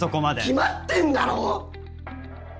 決まってんだろ！